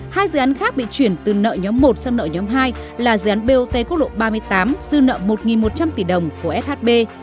hai dự án khác bị chuyển từ nợ nhóm một sang nợ nhóm hai là dự án bot quốc lộ ba mươi tám dư nợ một một trăm linh tỷ đồng của shb